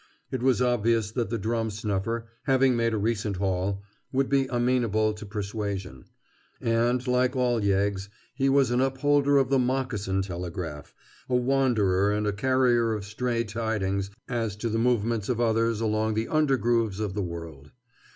It was obvious that the drum snuffer, having made a recent haul, would be amenable to persuasion. And, like all yeggs, he was an upholder of the "moccasin telegraph," a wanderer and a carrier of stray tidings as to the movements of others along the undergrooves of the world.